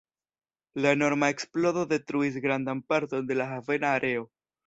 La enorma eksplodo detruis grandan parton de la havena areo.